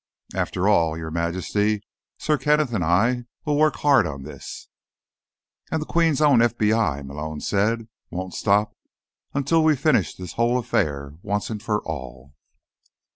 "After all, Your Majesty, Sir Kenneth and I will work hard on this." "And the Queen's own FBI," Malone said, "won't stop until we've finished with this whole affair, once and for all."